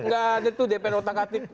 nggak ada tuh dpr otak atik